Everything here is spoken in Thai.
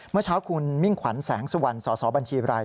เมื่อเช้าคุณมิ่งขวัญแสงสุวรรณสสบัญชีราย